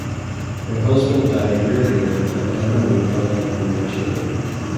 Her husband died a year later, and Emma would not have any more children.